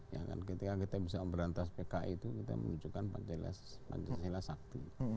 ya kan ketika kita bisa memberantas pki itu kita menunjukkan pancasila sakti